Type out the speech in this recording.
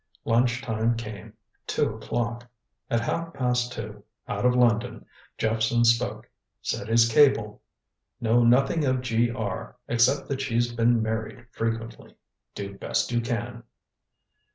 Lunch time came two o'clock. At half past two, out of London, Jephson spoke. Said his cable: "Know nothing of G.R. except that she's been married frequently. Do best you can."